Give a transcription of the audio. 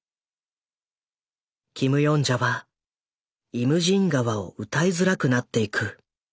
キム・ヨンジャは「イムジン河」を歌いづらくなっていく。